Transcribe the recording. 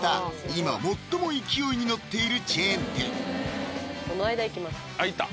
今最も勢いに乗っているチェーン店あっ行った？